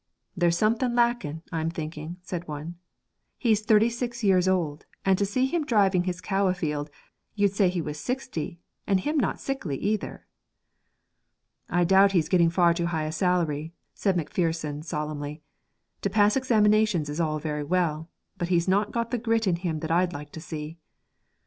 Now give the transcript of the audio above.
'There's something lacking, I'm thinking,' said one; 'he's thirty six years old, and to see him driving his cow afield, you'd say he was sixty, and him not sickly either.' 'I doubt he's getting far too high a salary,' said Macpherson solemnly. 'To pass examinations is all very well; but he's not got the grit in him that I'd like to see.'